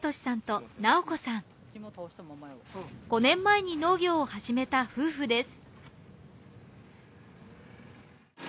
５年前に農業を始めた夫婦です。